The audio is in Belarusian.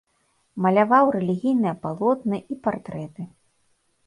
Маляваў рэлігійныя палотны і партрэты.